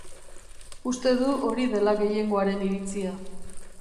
Uste du hori dela gehiengoaren iritzia.